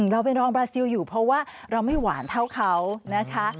เราไปลองบราซิลอยู่เพราะว่าเราไม่หวานเท่าเขานะคะ